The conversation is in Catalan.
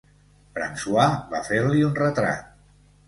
François va fer-li un retrat.